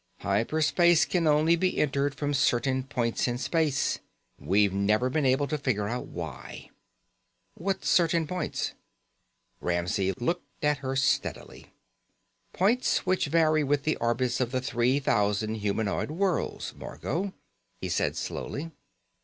"Hyper space can only be entered from certain points in space. We've never been able to figure out why." "What certain points?" Ramsey looked at her steadily. "Points which vary with the orbits of the three thousand humanoid worlds, Margot," he said slowly.